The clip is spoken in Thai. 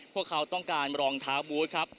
พวกเขาต้องการรองเท้าบูธครับ